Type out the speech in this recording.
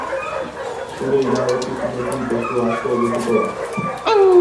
Zure iradokizunekin testua asko hobetuko da.